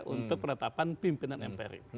untuk penetapan pimpinan mpr ini